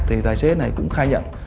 thì tài xế này cũng khai nhận